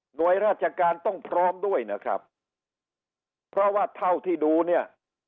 โดยราชการต้องพร้อมด้วยนะครับเพราะว่าเท่าที่ดูเนี่ย